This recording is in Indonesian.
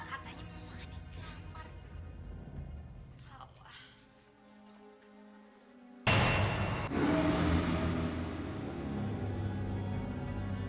katanya mau makan di kamar